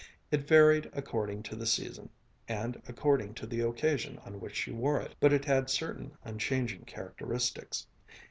It varied according to the season, and according to the occasion on which she wore it, but it had certain unchanging characteristics.